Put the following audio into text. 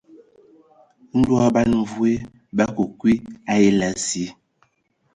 Ndɔ ban mvoe bə akə kwi a ele asi.